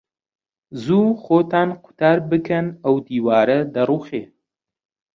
زوو خۆتان قوتار بکەن، ئەو دیوارە دەڕووخێ.